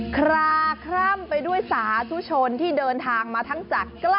คราคร่ำไปด้วยสาธุชนที่เดินทางมาทั้งจาก